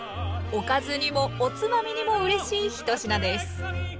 おかずにもおつまみにもうれしい１品です。